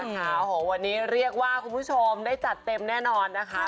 โอ้โหวันนี้เรียกว่าคุณผู้ชมได้จัดเต็มแน่นอนนะคะ